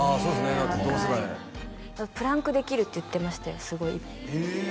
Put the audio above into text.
だって同世代プランクできるって言ってましたよすごいへえ！